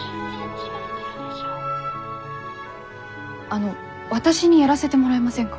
あの私にやらせてもらえませんか？